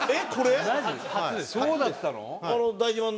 そうだったの？